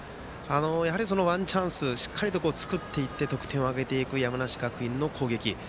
ワンチャンスしっかりと作っていって得点を挙げていく山梨学院の攻撃。